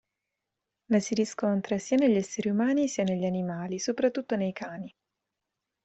La si riscontra sia negli esseri umani sia negli animali, soprattutto nei cani.